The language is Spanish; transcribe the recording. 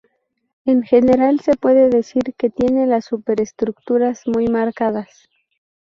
En general se puede decir que tiene las superestructuras muy marcadas.